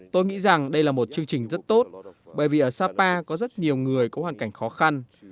tôi nghĩ rằng đây là một chương trình rất tốt bởi vì ở sapa có rất nhiều người có hoàn cảnh khó khăn